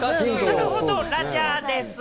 なるほど、ラジャーです。